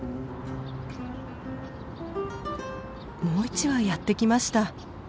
もう１羽やって来ました。